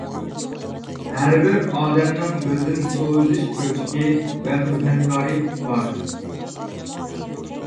ھەربىر ئادەمنىڭ بىردىن سۇ ئۈزۈش كۆلچىكى ۋە خىزمەتكار بار.